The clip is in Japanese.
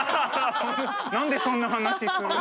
何でそんな話するの。